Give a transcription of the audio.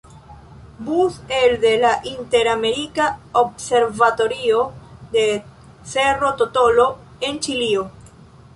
Bus elde la Inter-Amerika observatorio de Cerro Tololo en Ĉilio.